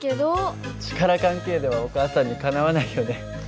力関係ではお母さんにかなわないよね。